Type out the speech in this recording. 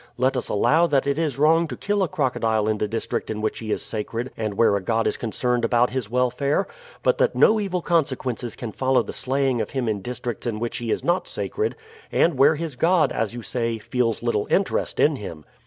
Let us allow that it is wrong to kill a crocodile in the district in which he is sacred and where a god is concerned about his welfare, but that no evil consequences can follow the slaying of him in districts in which he is not sacred, and where his god, as you say, feels little interest in him."